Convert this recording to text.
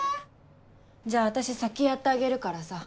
じゃあ私先やってあげるからさ。